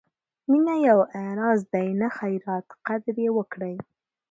مینه یو اعزاز دی، نه خیرات؛ قدر یې وکړئ!